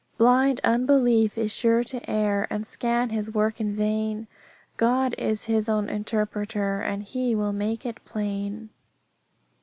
"Blind unbelief is sure to err, And scan his work in vain; God is His own interpreter, And He will make it plain."